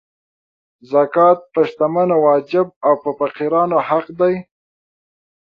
زکات په شتمنو واجب او په فقیرانو حق دی.